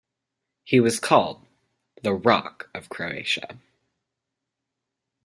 He was called the "Rock of Croatia".